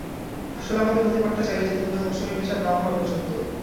আসলে আমাদের প্রতিবাদটা চালিয়ে যেতে হবে ধর্ষকের বিচার না হওয়া পর্যন্ত।